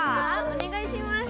おねがいします。